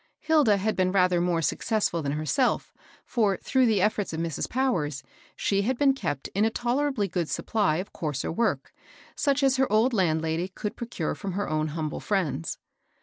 Hilda had been rather more successful than her «elf ; for, through the ^CH*t8 of Mrs. Powers, she had been kept in a tolerably good supply ci coarser work, such as their old landlady could procure from her own humble friends.